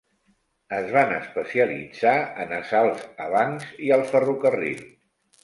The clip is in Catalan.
Es van especialitzar en assalts a bancs i al ferrocarril.